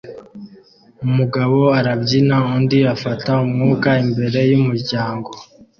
Umugabo arabyina undi afata umwuka imbere yumuryango